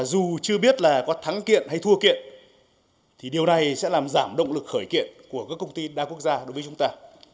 điều này sẽ làm giảm động lực khởi kiện của các công ty đa quốc gia đối với chúng ta